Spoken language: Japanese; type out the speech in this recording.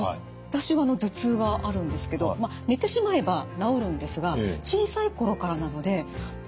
私は頭痛があるんですけどまあ寝てしまえば治るんですが小さい頃からなのでもしかすると。